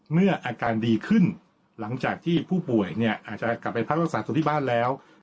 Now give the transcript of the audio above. เมื่ออาการดีขึ้นหลังจากที่ผู้ป่วยเนี่ยอาจจะกลับไปพักรักษาตัวที่บ้านแล้ว